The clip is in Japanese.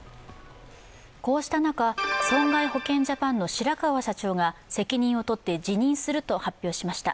こうした中、損害保険ジャパンの白川社長が責任を取って辞任すると発表しました。